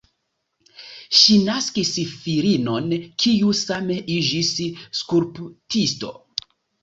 Ŝi naskis filinon, kiu same iĝis skulptisto.